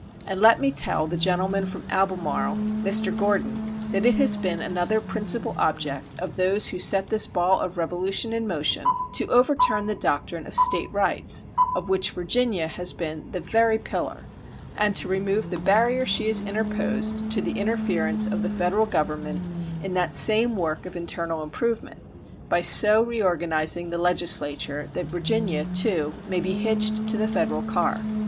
And let me tell the gentleman from Albemarle (Mr. Gordon) that it has been another principal object of those who set this ball of revolution in motion, to overturn the doctrine of State rights, of which Virginia has been the very pillar, and to remove the barrier she has interposed to the interference of the Federal Government in that same work of internal improvement, by so reorganizing the legislature that Virginia, too, may be hitched to the Federal car.